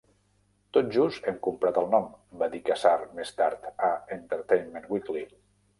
"Tot just hem comprat el nom", va dir Kassar més tard a "Entertainment Weekly".